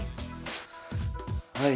はい。